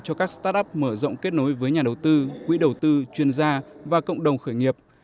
cho các start up mở rộng kết nối với nhà đầu tư quỹ đầu tư chuyên gia và cộng đồng khởi nghiệp